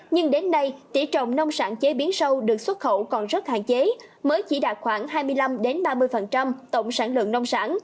nhưng đến nay tỉ trọng nông sản chế biến sâu được xuất khẩu còn rất hạn chế mới chỉ đạt khoảng hai mươi năm ba mươi tổng sản lượng nông sản